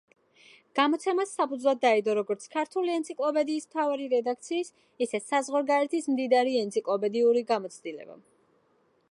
გამოცემას საფუძვლად დაედო როგორც ქართული ენციკლოპედიის მთავარი რედაქციის, ისე საზღვარგარეთის მდიდარი ენციკლოპედიური გამოცდილება.